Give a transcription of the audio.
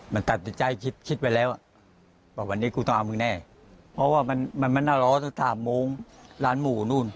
เพราะว่ามันน่าร้อนตั้ง๓โมงร้านหมู่นู้น